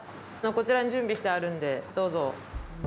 こちらに準備してあるんでどうぞ。